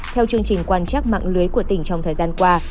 theo chương trình quan trắc mạng lưới của tỉnh trong thời gian qua